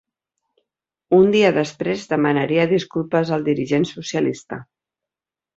Un dia després demanaria disculpes al dirigent socialista.